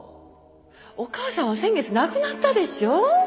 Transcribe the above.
お母さんは先月亡くなったでしょ。